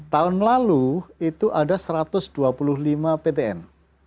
tahun lalu itu ada satu ratus dua puluh lima ptn